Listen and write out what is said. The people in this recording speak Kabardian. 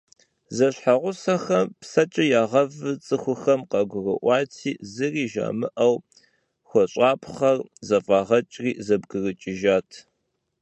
Зэщхьэгъусэхэм псэкӀэ ягъэвыр цӀыхухэми къагурыӀуати, зыри жамыӀэу хуэщӀапхъэр зэфӀагъэкӀри, зэбгрыкӀыжат.